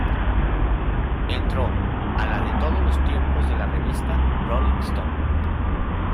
Entró a la de todos los tiempos de la revista "Rolling Stone".